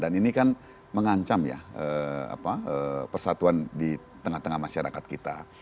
dan ini kan mengancam ya persatuan di tengah tengah masyarakat kita